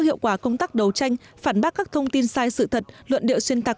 hiệu quả công tác đấu tranh phản bác các thông tin sai sự thật luận điệu xuyên tạc